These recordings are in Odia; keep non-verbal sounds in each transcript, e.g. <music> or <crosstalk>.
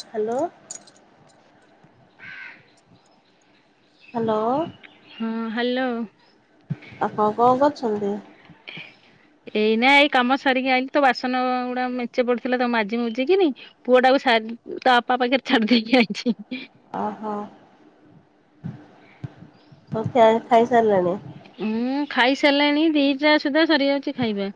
ହ୍ୟାଲୋ। ହାଲୋ। ହଁ ହାଲୋ। ଆପଣ କଣ କରୁଛନ୍ତି? ଏଇ ନା ଏଇ କାମ ସାରିକି ଆଇଲି ତ ବାସନ ଗୁଡା ମେଞ୍ଚେ ପଡିଥିଲା ତାଉ ମାଜି ମୁଜିକିରି। ପୁଅ ଟାକୁ ସାର୍ ତା ଅପା ପାଖରେ ଛାଡ୍ ଦେଇକି ଆଇଛି। ଅ ହ ଓ ଖିଆ ଖାଇ ସାରିଲଣି? ମୁଁ ଖାଇସାରିଲାଣି ଦିଟା ସୁଦ୍ଧା ସରି ଯାଉଛି ଖାଇବା।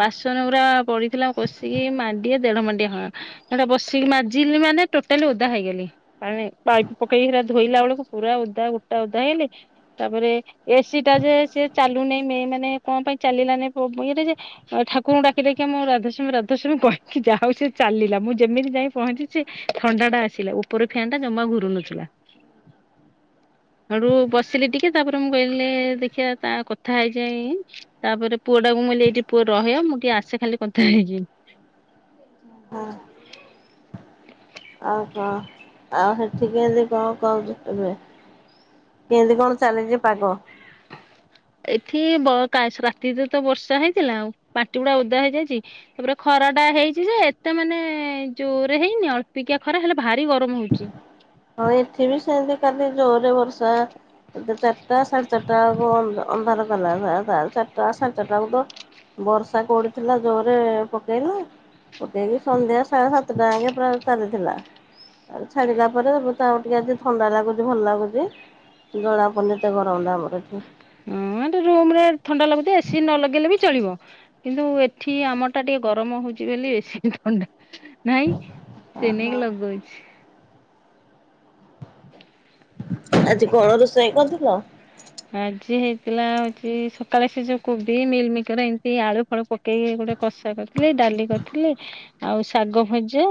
ବାସନ ଗୁରା ପଡିଥିଲା କଷିକି ମାଣ୍ଡିଏ ଦେଢ ମାଣ୍ଡିଏ ହ ସେଟା ବସିକି ମାଜିଲି ମାନେ ଟୋଟାଲି ଓଦା ହୋଇଗଲି। ପାଣି ପାଇପି ପକେଇିକି ସେରା ଧୋଇଲା ବେଳକୁ ପୁରା ଓଦା ଗୋଟା ଓଦା ହେଇଅଲି ତାପରେ ଏସ୍ ସି ଟା ଯେ ସେ ଚାଲୁନାଇ ମେଁ ମାନେ କଣ ପାଇଁ ଚାଲିଲାନି ପୋ ଇରେ ଯେ ଆ ଠାକୁରଙ୍କୁ ଡାକି ଡାକି ଆଉ ମୁଁ ରାଧେ ଶ୍ୟାମ୍ ରାଧେ ଶ୍ୟାମ୍ କହିକି ଯାହା ହଉ ସେ ଚାଲିଲା ମୁଁ ଯେମିତି ଯାଇ ପହଞ୍ଚି ଛି ଥଣ୍ଡା ଟା ଆସିଲା ଉପରେ ଫ୍ୟାନ୍ ଟା ଜମା ଘୁରୁ ନଥିଲା। <inaudible> ଇଆଡୁ ବସିଲି ଟିକେ ତାପରେ ମୁଁ କହିଲି ଦେଖିବା ତା କଥା ହେଇଯାଇ ତାପରେ ପୁଅ ଟାକୁ ମୁଁ ଏଲି ଏଇଠି ପୁଅ ରହିଅ ମୁଁ ଟିଏ ଆସେ ଖାଲି କଥା ହେଇକି। ଅ <unintelligible> ଆଉ ସେଠି କିନ୍ଦୀ କଂ କହୁଛ ଏବେ? କିନ୍ଦି କଣ ଚାଲିଛି ପାଗ? ଏଠି ବ କା ସ ରାତିରେ ତ ବର୍ଷା ହେଇଥିଲା ଉ ପାଟି ଗୁଡା ଓଦା ହେଇଯାଇଛି। ତାପରେ ଖରା ଟା ହେଇଛି ଯେ ଏତେ ମାନେ ଜୋରେ ହେଇନି ଅଳ୍ପିକିଆ ଖରା ହେଲେ ଭାରି ଗରମ ହଉଚି। ହଁ ଏଠି ବି ସେମ୍ତି କାଲି ଜୋରରେ ବର୍ଷା ତ ଚାର୍ ଟା ସାଢେ ଚାର୍ ଟା ବକୁ ଅଂ ଅନ୍ଧାର କଲା <unintelligible> ଚାର୍ ଟା ସାଢ଼େ ଚାର୍ ଟା ବେକୁ ବର୍ଷା କୋଉଠି ଥିଲା ଜୋରେ ପକେଇଲା। ପକେଇକି ସନ୍ଧ୍ୟା ସାଢେ ସାତଟା ଆ ଏ ପୁରା ଚାଲିଥିଲା ଆଉ ଛାଡିଲା ପରେ ପ ତା ଆଉ ଟିକେ ଆଜି ଥଣ୍ଡା ଲାଗୁଛି ଭଲ ଲାଗୁଛି ଜଳା ପନି ଏତେ ଗରମଟା ଆମର ଏଠି। ହୁଁ ଏଟି ରୁମ୍ ରେ ଥଣ୍ଡା ଲାଗୁଛି ଏ ସି ନ ଲଗେଇଲେ ବି ଚଳିବ। କିନ୍ତୁ ଏଠି ଆମ ଟା ଟିକେ ଗରମ ହଉଛି ବେଲି ଏ ସି <unintelligible> ଥଣ୍ଡା ନାଇଁ। ସେ ଓହୋ ନେଇଗଲା ଗଇ ଆଜି କଣ ରୋଷେଇ କରିଥିଲ? ଆଜି ହେଇଥିଲା ହଉଛି, ସକାଳେ ସେ ଯୋ କୋବି ମିଲ୍ ମେକର ଏମ୍ତି ଆଳୁ ଫଳ ପ କେଇ ଗୋଟେ କଷା କରିଥିଲି, ଡାଲି କରିଥିଲି ଆଉ ଶାଗ ଭଜା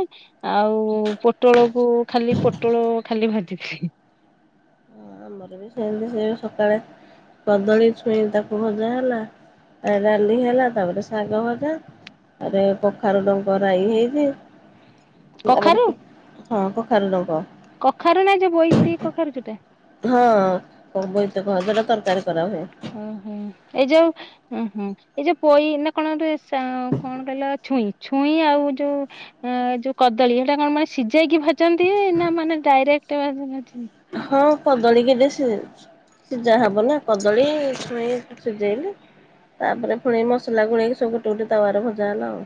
ଆଉ ପୋଟଳକୁ ଖାଲି ପୋଟଳ ଖାଲି ଭାଜିଥିଲି। ହଁ ଆମର ବି ସେମିତି ସେ ସକାଳେ କଦଳୀ ଛୁଇଁ ତାକୁ ଭଜା ହେଲା ଆଉ ଡାଲି ହେଲା। ତାପରେ ଶାଗ ଭଜା ଆରେ କଖାରୁ ଡଙ୍କ ରାଇ ହେଇଛି। ଆମର କଖାରୁ <unintelligible> ହଁ କଖାରୁ ଡଙ୍କ। କଖାରୁ ନା ଯୋ ବୋଇତି କଖାରୁ ଯୋଟା? ହଁ କ ବୋଇତ କୁହାଯା ସେଇଟା ତରକାରୀ କରା ହୁଏ। ହୁଁ ହୁଁ ଏଇ ଯୋଉ ହୁଁ ହୁଁ ଏ ଯୋ ପୋଇ ନା କଣ ଗୋଟେ ସା କଣ କହିଲ ଛୁଇଁ ଛୁଇଁ ଆଉ ଯୋ ଅଂ ଯୋ କଦଳୀ ଏଇଟା କଣ ମାନେ ସିଝେଇକି ଭାଜନ୍ତି? ହଁ। ନା ମାନେ ଡାଇରେକ୍ଟ ଭାଜୁନା ଛୁଇଁ? ହଁ କଦଳୀ କେତେ ସି ସିଝା ହବ ନା କଦଳୀ ଛୁଇଁ ସିଝେଇଲେ ତାପରେ ପୁଣି ମସଲା ଗୁଳେଇକି ସବୁ ଗୁଟେ ଗୁଟେ ତାୱାରେ ଭଜା ହେଲା ଆଉ।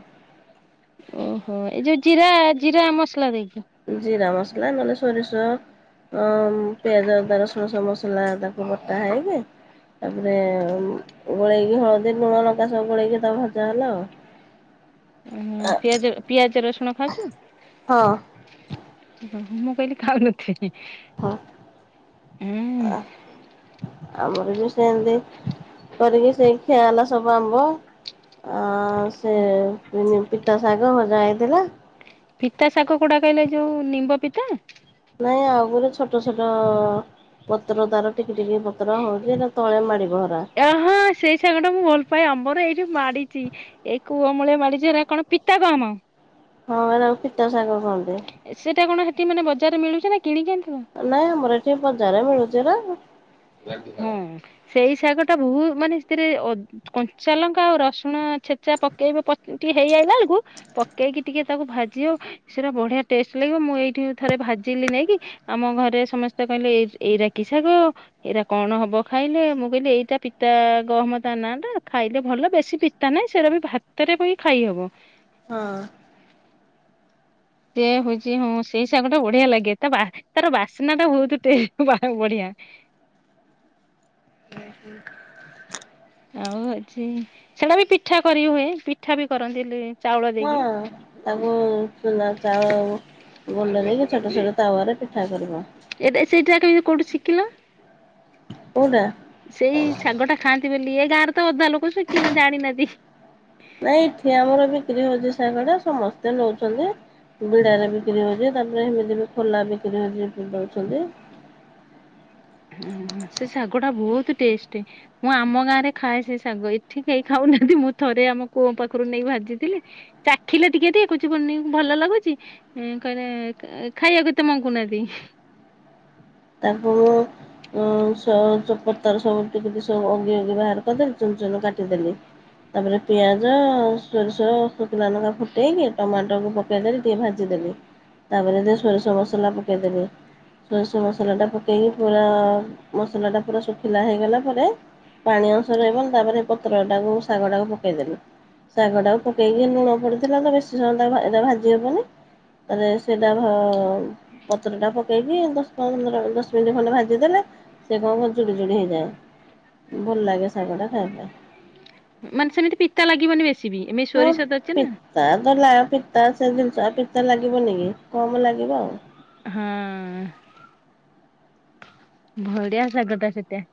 ଓ ହୋ ଏଇ ଯୋଉ ଜିରା ଜିରା ମସଲା ଦେଇକି? ଜିରା ମସଲା ନହେଲେ ସୋରିଷ? ଅଂ ପିଆଜ ଅଦା ରସୁଣ ସବ୍ ମସଲା ତାକୁ ବଟା ହେଇକି ତାପରେ ଗୋଳେଇକି ହଳଦୀ ଲୁଣ ଲଙ୍କା ସବୁ ଗୋଳେଇକି ତାକୁ ଭଜା ହେଲା। ଁ <inaudible> ଓ ହ ପିଆଜ ପିଆଜ ରସୁଣ ଖାଉଛୁ। ହଁ। ମୁଁ କହିଲି ଖାଉନଥିବେ। ହଁ ଆ। ଆମର ବି ସେମତି କରିକି ସେଇ ଖିଆ ହେଲା ସବୁ ଆମ୍ବ। ଆ ସେ ନି ପିତା ଶାଗ ଭଜା ହେଇଥିଲା। ପିତା ଶାଗ କଉଟା କହିଲେ ଯୋଉ ନିମ୍ବ ପିତା। ନାଇଁ ଆଉଗୁରେ ଛୋଟ ଛୋଟ ପତ୍ର ତାର ଟିକି ଟିକି ପତ୍ର ହଉଛି ତଳେ ମାଡିିବ ହେରା। ଏ ହଁ ସେଇ ଶାଗଟା ମୁଁ ଭଲ ପାଏ ଆମର ଏଇଠି ମାଡିଚି। ଏ କୁଅମୂଳେ ମାଡ଼ିଚି ଏରା କଣ ପିତା ଗହମ। ହଁ ଏରା କୁ ପିତା ଶାଗ କହନ୍ତି। ସେଟା କଣ ହେଠି ମାନେ ବଜାରରେ ମିଳୁଛି ନା କିଣିକି ଆଣିଥିଲ? ନାଇଁ ଆମର ଏଠି ବଜାରେ ମିଳୁଛି ଏରା। ହଁ ସେଇ ଶାଗ ଟା ବହୁ ମାନେ, ସେଥିରେ ଅଦ କଞ୍ଚାଲଙ୍କା ଆଉ ରସୁଣ ଛେଚା ପକେଇବେ ପ କ ଟିକେ ହେଇଆଇଲା ବେଳକୁ ପକେଇକି ଟିକେ ତାକୁ ଭାଜିବ ସେରା ବଢିଆ ଟେଷ୍ଟ ଲାଗିବ ମୁଁ ଏଇଠି ଥରେ ଭାଜିଲି ନେଇକି ଆମ ଘରେ ସମସ୍ତେ କହିଲେ, ଏଇ ଏଇରା କି ଶାଗ ଏଇରା କଣ ହବ ଖାଇଲେ, ମୁଁ କହିଲି ଏଇଟା ପିତା ଗହମ ତା ନାଁ ଟା ଖାଇଲେ ଭଲ। ବେଶୀ ପିତା ନାହିଁ ସେଉରା ବି ଭା ତରେ ପକେଇ ଖାଇହବ। ହଁ। ସେ ହଉଛି ହଁ ସେଇ ଶାଗ ଟା ବଢିଆ ଲାଗେ ତା ବା ତାର ବାସ୍ନା ଟା ବହୁତ ଟେ ବା ବଢିଆ। ଉଁ ହୁଁ। ଆଉ ହଉଛି ସେଡ଼ା ବି ପିଠା କରି ହୁଏ, ପିଠା ବି କରନ୍ତି ଲି ହଁ। ତାକୁ ଚୁନା ଚାଉଳ ଗୁଣ୍ଡ ନେଇକି ଛୋଟ ଛୋଟ ତାୱ ରେ ପିଠା କରିବ। ଏଟ ସେଇଟା କେମିତି କୋଉଠି ଶିକିଲ? କୋଉଟା? ସେଇ ସାଗ ଟା ଖାଆନ୍ତି ବୋଲି ଏ ଗାଁରେ ତ ଅଧା ଲୋକ ସିକିନା କି ଜାଣିନାହାନ୍ତି। ନାଇଁ ଏଠି ଆମର ବିକ୍ରି ହଉଛି ଶାଗ ଟା ସମସ୍ତେ ନଉଛନ୍ତି। ବିଡାରେ ବିକ୍ରି ହଉଛି ତାପରେ ହେମିତି ବି ଖୋଲା ବିକ୍ରି ହଉଛି ଦଉଛନ୍ତି। ହଁ ସେ ଶାଗ ଟା ବହୁତ ଟେଷ୍ଟ। ମୁଁ ଆମ ଗାଁ ରେ ଖାଏ ସେ ଶାଗ ଏଠି କେହି ଖାଉନାହାନ୍ତି ମୁଁ ଥରେ ଆମ କୁଅ ପାଖରୁ ନେଇ ଭାଜିଥିଲି। ଚାଖିଲେ ଟିକେ ଟିକେ କଉଚି କୁଅନି ଭଲ ଲାଗୁଛି। କହିଲେ ଖାଇବାକୁ ଏତେ ମଙ୍ଗୁ ନାହାନ୍ତି। ତାକୁ। ସ ଚ ପତର ସବୁ ଟିକ ସବୁ ଅଗି ଅଗି ବାହାର କରିଦେଲି ଚୁନ ଚୁନ କାଟିଦେଲି। ତାପରେ ପିଆଜ ସୋରିଷୋ ଶୁଖିଲା ଲଙ୍କା ଫୁଟେଇକି ଟମାଟୋକୁ ପ ପକାଇଦେଲି ଟିକିେ ଭାଜିଦେଲି ତାପରେ ଟିକ ସୋରିଷ ମସଲା ପକେଇଦେଲି। ସେ ମସଲାଟା ପକେଇକି ପୁରା ମସଲାଟା ପୁରା ଶୁଖିଲା ହେଇଗଲା ପରେ ପାଣି ଅଂଶ ରହିବନ ତାପରେ ପତ୍ର ଟାକୁ ଶାଗ ଟାକୁ ପକେଇଦେଲି। ଶାଗଟାକୁ ପକେଇକି ଲୁଣ ପଡ଼ିଥିଲା ତ ବେଶୀ ସମୟ ଏଇଟା ଭାଜି ହେବନି ତାରେ ସେଇଟା ପତ୍ର ଟା ପକେଇକି ଦଶ ଦଶ ମିନିଟ୍ ଖଣ୍ଡେ ଭାଜିଦେଲେ ସେ କଣ ଜୁଡି ଜୁଡି ହେଇଯାଏ। ଭଲ ଲାଗେ ଶାଗଟା ଖାଇବା ପାଇଁ। ମାନେ ସେମିତି ପିତା ଲାଗିବନି ବେଶୀ ବି ଏମିତି ସୋରିଷ ଅଛି ନା। ତା ତ ନା ପିତା ସେ ଜିନିଷ ପିତା ଲାଗିବନି କି କମ ଲାଗିବ ଆଉ। ହଁ। ଭଡିଆସାଗଟା ସେଟା।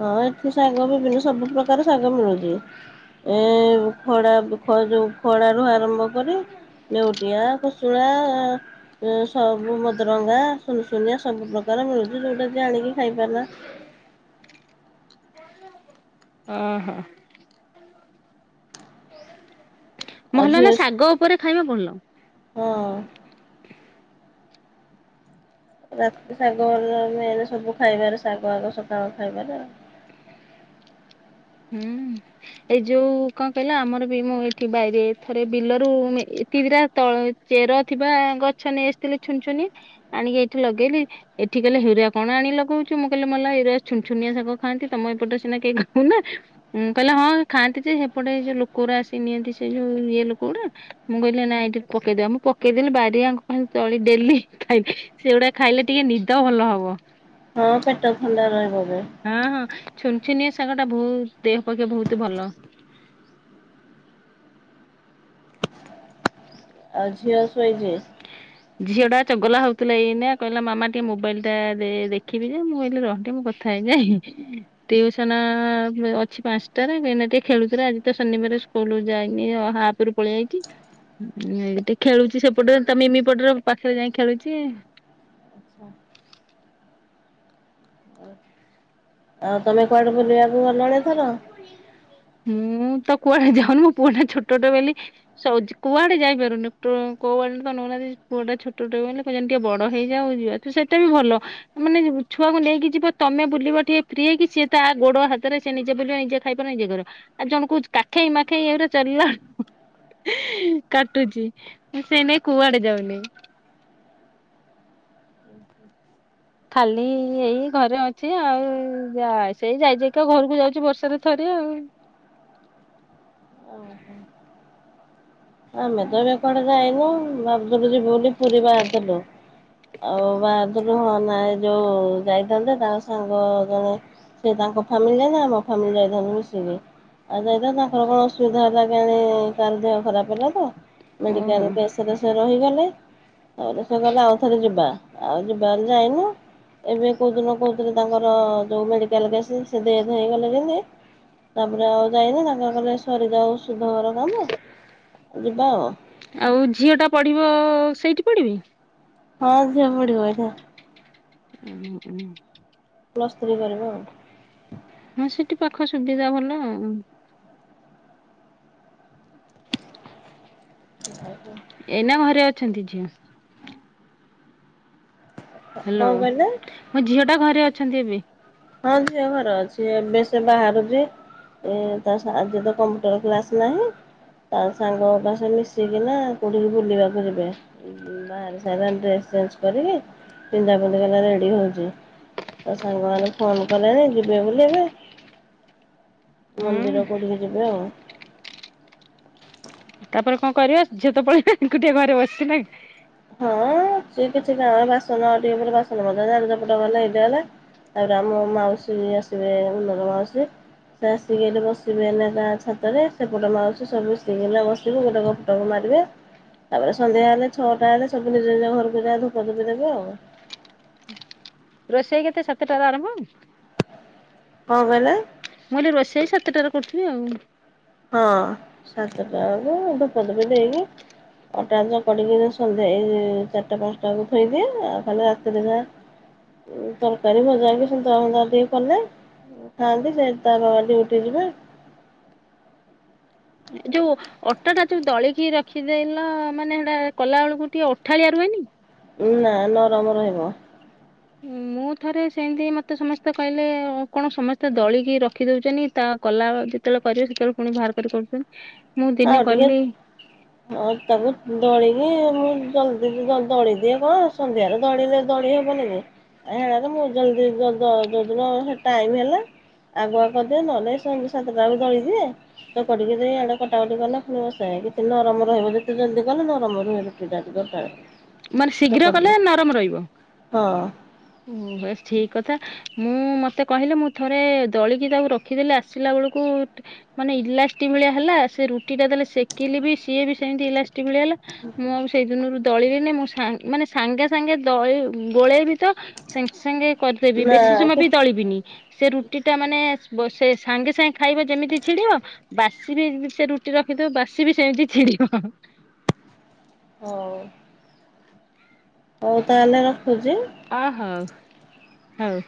ହଁ ଏଠି ଶାଗ ବିଭିନ୍ନ ସବୁ ପ୍ରକାର ଶାଗ ମିଳୁଛି। ଏ ଖଡା ବ ଯୋଉ ଖଡାରୁୁ ଆରମ୍ଭ କରି ନେଉଟିଆ ଖୁସୁଣା ସବୁ ମଦରଙ୍ଗା ସୁନସୁନିଆ ସବୁ ପ୍ରକାର ମିଳୁଛି ଯୋଉଟା ଯେ ଆଣିକି ଖାଇପାରିଲା। <inaudible> ଓହୋ। ଆଉ ମହେଲ ଝିଅ ନା ଶାଗ ଉପରେ ଖାଇବା ଭଲ। ହଁ। ରାତି ଶାଗେ ସବୁ ଖାଇବାରେ ଶାଗ ଆଗ ସକାଳ ଖାଇବାରେ ଆଉ। ହୁଁ ଏଇ ଯୋଉ କଣ କହିଲ ଆମର ବି ମୁଁ ଏଇଠି ବାଇରେ ଥରେ ବିଲରୁ ଏ କିରା ତଳ ଚେର ଥିବା ଗଛ ନେଇ ଆସିଥିଲି ଛୁନ ଛୁନ ଆଣିକି ଏଇଠି ଲଗେଇଲି ଏଠି କହିଲେ ହେରା କଣ ଆଣିକି ଲଗଉଛୁ। ମୁଁ କହିଲି ମଲା ଏରା ଛୁନ ଛୁନିଆ ଶାଗ ଖାଆନ୍ତି ତମ ଏପଟରେ ସିନା କେହି ଖାଉନା। ଉଁ କହିଲେ ହଁ ଖାଆନ୍ତି ଯେ ସେପଟେ ଯୋଉ ଲୋକ ଗୋ ଆସି ନିଅନ୍ତି ସେ ଯୋଉ ଇଏ ଲୋକ ଗୁଡା ମୁଁ କହିଲି ନାଇ ଏଇଠି ପକେଇଦବା ମୁଁ ପକେଇଦେଲି ବାରିଆଙ୍କ ଖାଲି ତଳି ଡେଲି ଖାଇ ସେଗୁଡା ଖାଇଲେ ଟିକେ ନିଦ ଭଲ ହବ। ହଁ ପେଟ ଥଣ୍ଡା ରହିବ ବି। ହଁ ହଁ ଛୁନ ଛୁନିଆ ଶାଗ ଟା ବହୁତ ଦେହ ପକ୍ଷ ବହୁତ ଭଲ। ଆଉ ଝିଅ ଶୋଇଛିି? ଝିଅ ଟା ଚଗଲା ହଉଥିଲା ଏଇନା କହିଲା ମାମା ଟିକେ ମୋବାଇଲ ଟା ଦେ ଦେଖିବି ଯେ ମୁଁ କହିଲି ରହ ଟିକେ ମୁଁ ଖାଇଯାଇ ଟିଉସନ ଅଛି ପାଞ୍ଚଟାରେ ଏଇନା ଟିକେ ଖେଳୁଥିଲା ଆଜି ତ ଶନିବାର ଶୁ ସ୍କୁଲ ଯାଇନି ହାପ ରୁ ପଳେଇ ଆଇଛି। ଏଇଠି ଖେଳୁଛି ସେପଟେ ତା ମିମି ପଟରେ ପାଖରେ ଯାଇ ଖେଳୁଛି। ଆଉ ତମେ କୁଆଡେ ବୁଲିବାକୁ ଗଲଣି ଏଥର? ମୁଁ ତ କୁଆଡେ ଯାଉନି ମୋ ପୁଅଟା ଛୋଟଟେ ବୋଲି। ଶୋଉଚି। କୁଆଡେ ଯାଇପାରୁନି ଟୁ କୁଆଡେ ତ ନୋଉ ନାହାନ୍ତି ପୁଅଟା ଛୋଟେ ଟେ ବୋଲି କହୁଛନ୍ତି ଟିକେ ବଡ ହେଇଯାଉ ଯିବା। ତ ସେଟାବି ଭଲ। ମାନେ ଛୁଆକୁ ନେଇକି ଯିବ ତମେ ବୁଲିବ ଟିକେ ଫ୍ରି ହେଇକି ସିଏ ତା ଗୋଡ ହାତରେ ସେ ନିଜେ ବୁଲିବ ନିଜେ ଖାଇପାରୁନି ନିଜେ କରିବ। ଆଉ ଜଣକୁ କାଖେଇ ମାଖେଇ ଏ ଗୁରା ଚାଲେଇଲା ବେଳକୁ କାଟୁଛି। ମୁଁ ସେଇନାଇ କୁଆଡେ ଯାଉନି। ହ ଖାଲି ଏଇ ଘରେ ଅଛି ଆଉ ଯା ସେଇ ଯାଇ ଯାଇକି ଆଉ ଘରକୁ ଯାଉଛି ବର୍ଷାରେ ଥରେ ଆଉ। ଓହୋ। ଆମେ ତ ଏବେ କୁଆଡେ ଯାଇନୁ ଭାବୁଥିଲୁ ଯିବୁ ବୋଲି ପୁରୀ ବାହାରିଥିଲୁ। ଆଉ ବାହାରିଥିଲୁ ହ ନା ଯୋଉ ଯାଇଥାନ୍ତେ ତାଙ୍କ ସାଙ୍ଗ ଜଣେ ସେ ତାଙ୍କ ଫ୍ୟାମିଲି ଯାଇଥାନ୍ତେ। ଆମ ଫ୍ୟାମିଲି ଯାଇଥାନ୍ତୁ ମିଶିକି। ଆଉ ଯାଇ ତାଙ୍କର କଣ ଅସୁବିଧା ହେଲା କିଆଣି କାହାର ଦେହ ଖରାପ ହେଲା ତ ଓହୋ ମେଡିକାଲ କେଶ୍ ସେଇଥିରୁ ସେ ରହିଗଲେ ତାପରେ ସେ କହିଲେ ଆଉଥରେ ଯିବା। ଆଉ ଯିବା ବୋଲି ଯାଇନୁ। ଏବେ କେଉଁଦିନ କହୁଥିଲେ ତାଙ୍କର ଯେଉଁ ମେଡ଼ିକାଲ କେସ୍ ସେ ଡେଥ ହେଇଗଲେ ଜେନ୍ତି ତାପରେ ଆଉ ଯାଇନୁ। ତାଙ୍କର କହିଲେ ସରିଯାଉ ସୁଧ ଘର କାମ ଯିବା ଆଉ। ଆଉ ଝିଅଟା ପଢ଼ିବ ସେଇଠି ପଢ଼ିବି। ହଁ ଝିଅ ପଢିବ ଏଇଠି। ହଁ ହୁଁ। ପ୍ଲସ୍ ଥ୍ରୀ କରିବ ଆଉ। ହଁ ସେଠି ପାଖ ସୁବିଧା ଭଲ। ସେ ଏଇନା ଘରେ ଅଛନ୍ତି ଝିଅ? ହ୍ୟାଲୋ କଣ କହିଲେ? ମ ଝିଅ ଟା ଘରେ ଅଛନ୍ତି ଏବେ? ହଁ ଝିଅ ଘର ଅଛି। ଏବେ ସେ ବାହାରୁଛି ଏତ ସାରା ଆଜିତ କମ୍ପ୍ୟୁଟର କ୍ଲାସ୍ ନାହିଁ। ତାସାଙ୍ଗ ଅପା ସାଙ୍ଗେ ମିଶିକିନା କୋଉଠିକି ବୁଲିବାକୁ ଯିବେ। ବାହାରି ସାରିଲା ଡ୍ରେସ୍ ଚେଞ୍ଜ କରିକି ପିନ୍ଧା ପିନ୍ଧ କରି ରେଡ଼ି ହଉଚି। ତାସାଙ୍ଗମାନେ ଫୋନ୍ କଲେଣି ଯିବେ ବୋଲିକି ମନ୍ଦିର ହୁଁ କୋଉଠିକି ଯିବେ ଆଉ। ତାପରେ କଣ କରିବା ଝିଅତ ପଳେଇଲା ଏକୁଟିଆ ଘରେ ବସିଚେ ନାଁକି? ହଁ ସିଏ କିଛି କାଁରେ ବାସନ ଆଉଟିକେ ପରେ ବାସନ ମଜା ଝାଡ଼ାଝପଟ ଗଲେ <unintelligible> ତାପରେ ଆମ ମାଉସୀ ଆସିବେ ଉନ୍ନତ ମାଉସୀ‌ ସେଆସିକି ଏଇଠି ବସିବେ ଏଇନା ଗାଁ ଛାତରେ ସେପଟ ମାଉସୀ ସବୁ ଆସିକି ଏଇନା ବ ିବୁ ଗୋଟେ ଗପଟକ ମାରିବେ ତାପରେ ସନ୍ଧ୍ୟା ହେଲେ ଛଅଟା ହେଲେ ସବୁ ନିଜ ନିଜ ଘରକୁ ଯାଏ ଧୂପ ଦିପି ଦେବେ ଆଉ। ରୋଷେଇ କେତେ ସାତଟାରେ ଆରମ୍ଭ? କଁ କହିଲେ? ମୁଁକହିଲି ରୋଷେଇ ସାତଟାରେ କରୁଥିବେ ଆଉ। ହଁ ସାତଟାବେଳେ ଧୂପ ଦିପ ଦେଇକି ଅଟା ଚକଡିକି ସନ୍ଧ୍ୟା ଏଇ ଚାରିଟା ପାଞ୍ଚଟା ବେଳକୁ ଥୋଇଦିଏ ଆଉ ଖାଲି ରାତିରେ ଯା ତରକାରୀ ଭଜାକି ସନ୍ତୁଳା ଫନ୍ତୁଳା ଟିକେ କଲେ ଖଥାନ୍ତି ସେତାର ଆଜି ଡିୟୁଟି ଯିବେ।। ଯୋଉ ଅଟାଟା ଯୋଉ ଦଳିକି ରଖିଦେଲ ମାନେ ହେଟା କଲାବେଳକୁ ଟିକେ ଅଠାଳିଆ ରୁହେନି? ନା ନରମ ରହିବ। <inaudible> ମୁଁ ଥରେ ସେମିତି ମୋତେ ସମସ୍ତେ କହିଲେ କଣ ସମସ୍ତେ ଦଳିକି ରଖିଦଉଚନ୍ତି ତା କଲାଯେ ଯେତେଳେ କରିବ ସେତେଳେ ପୁଣି ବାହାର କରି କରୁଚନ୍ତି। ହଁ ଟିକେ ହଁ ଅଟାକୁ ଦଳିକି ମୁଁ ଜଲଦି ଦଳିଦିଏ କଣ ସନ୍ଧ୍ୟାରେ ଦଳିଲେ ଦଳି ହବନିକି ହେରାତ <unintelligible> ଯୋଉଦିନ ଟାଇମ୍ ହେଲା ଆଗୁଆ କରିଦିଏ ନହେଲେ ସଂଧ୍ୟାସାତଟା ବେଳକୁ ଦଳିଦିଏ ଧୂପ ଟିକେ ଦେଇ ଆଡ଼େ କଟାକଟି କଲେ ପୁଣି ବସାଏ କିନ୍ତୁ ନରମ ରହିବ ଯେତେ ଜଲ୍ଦି କଲେ ନରମ ରୁହେ ରୁଟିଟା <unintelligible> ମାନେ ଶୀଘ୍ର ଚକଟିଲେ କଲେ ନରମ ରହିବ ହଁ ବେଶ୍ ଠିକ୍ କଥା। ମୁଁ ମତେ କହିଲେ ମୁଁ ଥରେ ଦଳିକି ତାକୁ ରଖିଦେଲି ଆସିଲା ବେଳକୁ ମାନେ ଇଲାସ୍ଟିକି ଭଳିଆ ହେଲା ସେରୁଟିଟା ଯେତେଳେ ସେକିଲିବି ସିଏବି ସେମିତି ଇଲାସ ଟିକି ଭଳିଆ ହେଲା ମୁଁ ଆଉ ସେଇ ଦିନରୁ ଦଳି ମୁଁ ସାଙ୍ଗେ ମାନେ ସାଙ୍ଗେ ସାଙ୍ଗେ ଦଳି ଗୋଳେଇବିତ ସାଙ୍ଗେ ସାଙ୍ଗେ କରିଦେବି ନା ବେଶୀ କି ସମୟବି ଦଳିବିନି ସେ ରୁ ରୁଟିଟା ମାନେ ସେ ସାଙ୍ଗେ ସାଙ୍ଗେ ଖାଇବ ଯେମିତି ଛିଡିବ ବାସିବି ସେରୁଟି ରଖିଥିବୁ ବାସିବି ସେମିତି ଛିଡ଼ିବ। ହଁ। ହଉ ତାହେଲେ ରଖୁଚି? ଅହୋଉ ହୋଉ।